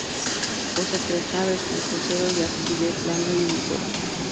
Posee tres naves con crucero y ábside plano, y un coro.